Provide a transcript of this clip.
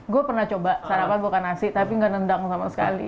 gue pernah coba sarapan bukan nasi tapi nggak nendang sama sekali